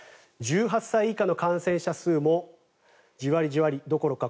１８歳以下の感染者数もじわりじわりどころか